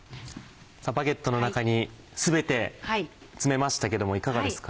バゲットの中に全て詰めましたけどもいかがですか？